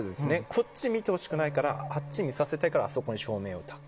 こっち見てほしくないからあっちを見させたいからあっちに照明をたく。